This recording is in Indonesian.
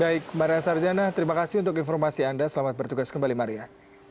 baik maria sarjana terima kasih untuk informasi anda selamat bertugas kembali maria